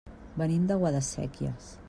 Venim de Guadasséquies.